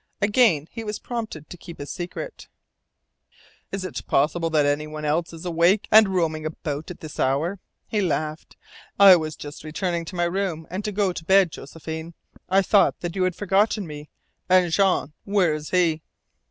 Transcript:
Again he was prompted to keep his secret. "Is it possible that any one else is awake and roaming about at this hour?" he laughed. "I was just returning to my room to go to bed, Josephine. I thought that you had forgotten me. And Jean where is he?"